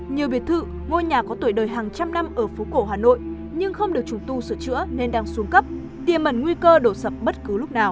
nhiều biệt thự ngôi nhà có tuổi đời hàng trăm năm ở phố cổ hà nội nhưng không được trùng tu sửa chữa nên đang xuống cấp tiềm ẩn nguy cơ đổ sập bất cứ lúc nào